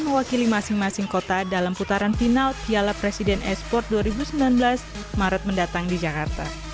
mewakili masing masing kota dalam putaran final piala presiden e sport dua ribu sembilan belas maret mendatang di jakarta